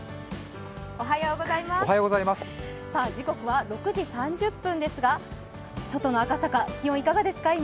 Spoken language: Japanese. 時刻は６時３０分ですが外の赤坂、気温いかがですか、今？